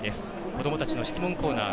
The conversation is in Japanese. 子どもたちの質問コーナー